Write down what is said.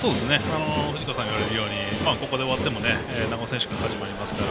藤川さんがいわれるようにここで終わっても中野選手から始まりますから。